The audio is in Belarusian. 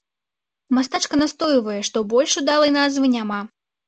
Мастачка настойвае, што больш удалай назвы няма.